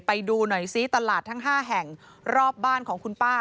ไปดูหน่อยซิตลาดทั้ง๕แห่งรอบบ้านของคุณป้า